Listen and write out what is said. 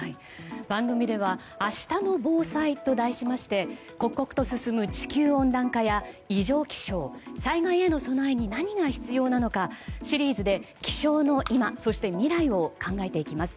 番組ではあしたの防災と題しまして刻々と進む地球温暖化や異常気象災害への備えに何が必要なのかシリーズで気象の今、未来を考えていきます。